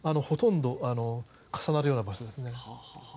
ほとんど重なるような場所ですね。